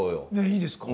いいですか？